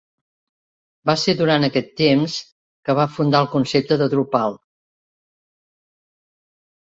Va ser durant aquest temps que va fundar el concepte de Drupal.